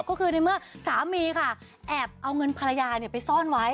ก็คือในเมื่อสามีค่ะแอบเอาเงินภรรยาไปซ่อนไว้